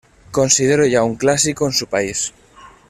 Considero ya un clásico en su país.